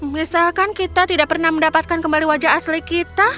misalkan kita tidak pernah mendapatkan kembali wajah asli kita